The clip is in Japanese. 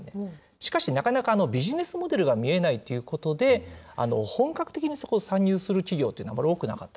しかし、なかなかビジネスモデルが見えないということで、本格的にそこに参入する企業というのがあまり多くなかった。